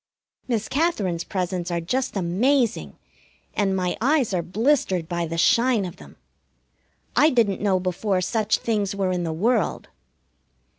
Miss Katherine's presents are just amazing, and my eyes are blistered by the shine of them. I didn't know before such things were in the world.